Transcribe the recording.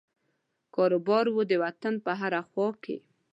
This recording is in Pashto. کاروبار وو د وطن په هره خوا کې.